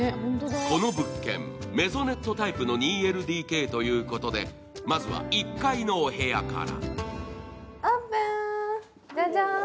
この物件メゾメットタイプの２ＬＤＫということでまずは１階のお部屋から。